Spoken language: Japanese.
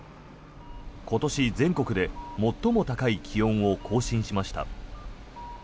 今年全国で最も高い気温を更新しました。